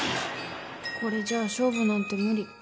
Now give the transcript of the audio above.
これじゃあ勝負なんて無理。